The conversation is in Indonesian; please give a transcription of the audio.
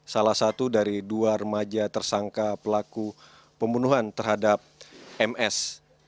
salah satu dari dua remaja tersangka pelaku pembunuhan terhadap ms